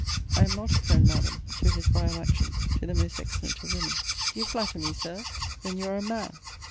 I am not a friend, Madam, to his vile actions to the most excellent of women. Do you flatter me, Sir? then you are a MAN.